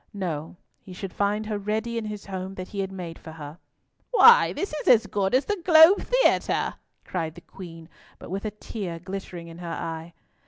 No; he should find her ready in his home that he had made for her." "Why, this is as good as the Globe Theatre!" cried the Queen, but with a tear glittering in her eye.